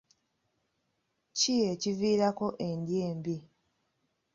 Ki ekiviirako endya embi?